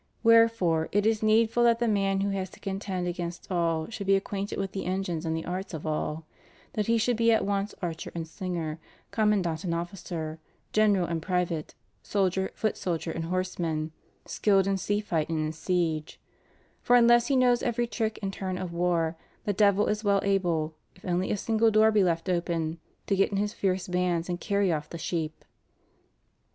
Wherefore it is needful that the man who has to contend against all should be acquainted with the engines and the arts of all — that he should be at once archer and slinger, commandant and officer, general and private soldier, foot soldier and horseman, skilled in sea fight and in siege ; for unless he knows every trick and turn of war, the devil is well able, if only a single door be left open, to get in his fierce bands and carry off the sheep."